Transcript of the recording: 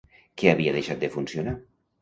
Què havia deixat de funcionar?